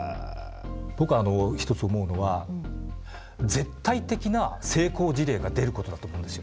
僕一つ思うのは絶対的な成功事例が出ることだと思うんですよ。